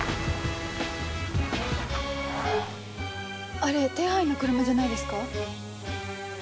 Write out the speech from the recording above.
あれ手配の車じゃないですか？